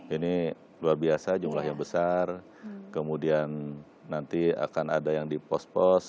ini luar biasa jumlahnya besar kemudian nanti akan ada yang di pos pos